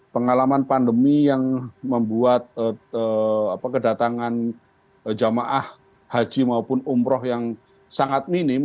pengalaman pandemi yang membuat kedatangan jamaah haji maupun umroh yang sangat minim